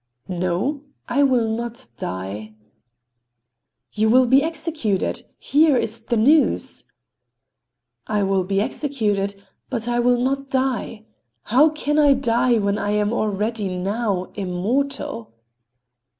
"No, I will not die." "You will be executed. Here is the noose." "I will be executed, but I will not die. How can I die, when I am already—now—immortal?"